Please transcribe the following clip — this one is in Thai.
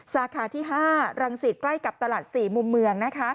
สาขาที่๕รังสิตใกล้กับตลาด๔มุมเมือง